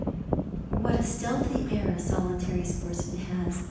What a stealthy air a sohtary sportsman has